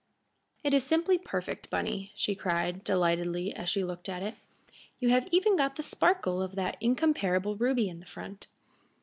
"It is simply perfect, Bunny," she cried, delightedly, as she looked at it. "You have even got the sparkle of that incomparable ruby in the front."